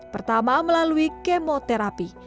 pertama melalui kemoterapi